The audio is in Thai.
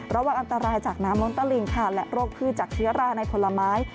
ระวังอันตรายจากน้ำล้นตะลิงค่ะและโรคพืชจากเชื้อราในผลไม้